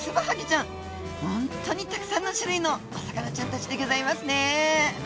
ホントにたくさんの種類のお魚ちゃんたちでギョざいますね。